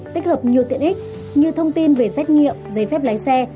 tích hợp nhiều tiện ích như thông tin về xét nghiệm giấy phép lái xe